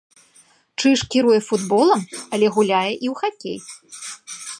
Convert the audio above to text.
Чыж кіруе футболам, але гуляе і ў хакей.